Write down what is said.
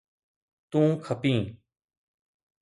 تون کپين